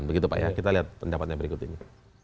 begitu pak ya kita lihat pendapat yang berikut ini